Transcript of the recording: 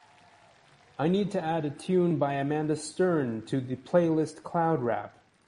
I need to add a tune by Amanda Stern to the playlist cloud rap.